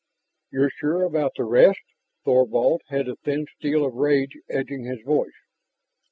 "You're sure about the rest?" Thorvald had a thin steel of rage edging his voice.